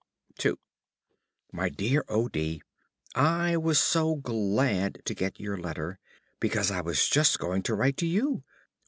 II My Dear O. D., I was so glad to get your letter, because I was just going to write to you.